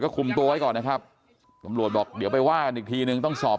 ก็คุมตัวไว้ก่อนนะครับก็เดี๋ยวไปว่าอีกทีหนึ่งต้องสอบ